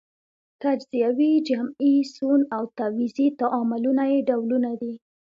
تجزیوي، جمعي، سون او تعویضي تعاملونه یې ډولونه دي.